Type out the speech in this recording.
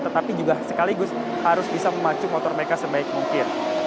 tetapi juga sekaligus harus bisa memacu motor mereka sebaik mungkin